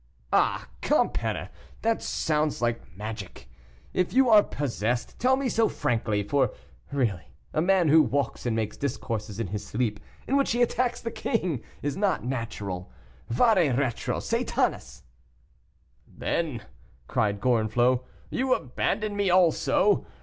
"Ah! compère, that sounds much like magic; if you are possessed, tell me so frankly; for, really a man who walks and makes discourses in his sleep in which he attacks the king is not natural. Vade retro, Satanas!" "Then," cried Gorenflot, "you abandon me also.